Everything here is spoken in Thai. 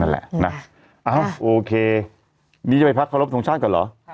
นั่นแหละนะอ้าวโอเคนี่จะไปพักพระรบทรงชาติก่อนเหรอ